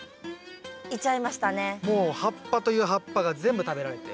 もう葉っぱという葉っぱが全部食べられて。